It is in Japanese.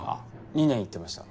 ２年行ってました。